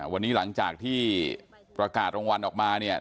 วันนี้หลังจากที่ประกาศรางวัลออกมาเนี่ย